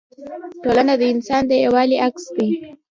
ټولنه د انسان د یووالي عکس دی.